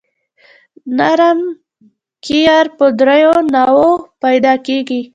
نرم قیر په دریو نوعو پیدا کیږي